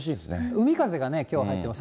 海風がきょう入ってます。